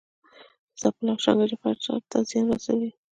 ځپل او شکنجه فرد ته زیان رسوي.